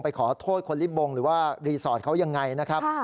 ขอโทษคนลิบงหรือว่ารีสอร์ทเขายังไงนะครับ